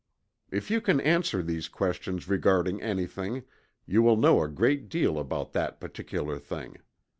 If you can answer these questions regarding anything, you will know a great deal about that particular thing.